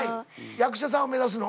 役者さんを目指すの？